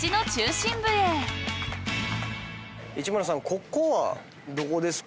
ここはどこですか？